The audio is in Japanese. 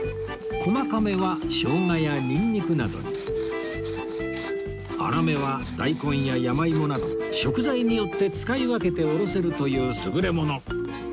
細かめは生姜やニンニクなどに粗めは大根や山芋など食材によって使い分けておろせるという優れもの